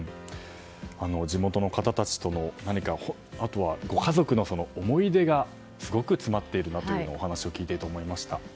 地元の方たちとそのご家族との思い出がすごく詰まっているなとお話を聞いていて感じました。